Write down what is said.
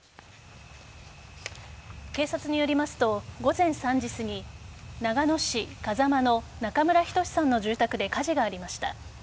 警察によりますと午前３時すぎ長野市風間の中村均さんの住宅で火事がありました。